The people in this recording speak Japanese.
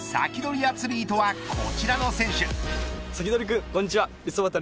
アツリートはこちらの選手。